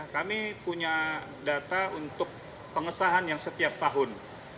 kami punya data untuk pengesahan yang setiap tahun